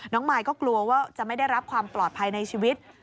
มายก็กลัวว่าจะไม่ได้รับความปลอดภัยในชีวิต